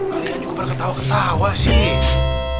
kalian juga pada ketawa ketawa sih